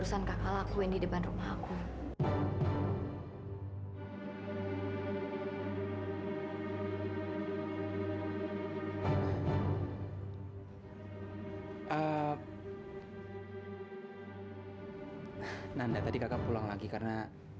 sampai jumpa di video selanjutnya